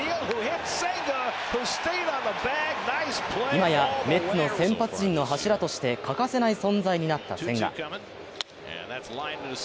今やメッツの先発陣の柱として欠かせない存在になった千賀。